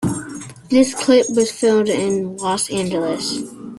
The clip was filmed in Los Angeles.